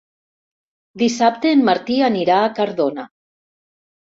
Dissabte en Martí anirà a Cardona.